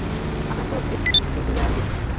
আপনারা তো জিপফিজিয়াথিস্ট।